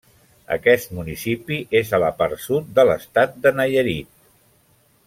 Aquest municipi és a la part sud de l'estat de Nayarit.